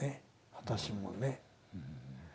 私もね。